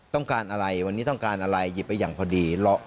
ต้องการอะไรวันนี้ต้องการอะไรหยิบไปอย่างพอดี